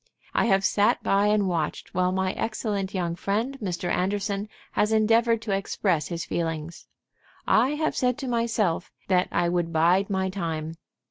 I have sat by and watched while my excellent young friend Mr. Anderson has endeavored to express his feelings. I have said to myself that I would bide my time.